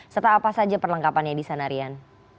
serta apa saja perlengkapannya di sana rian